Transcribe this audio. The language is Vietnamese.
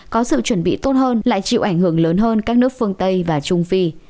có sự chuẩn bị tốt hơn lại chịu ảnh hưởng lớn hơn các nước phương tây và trung phi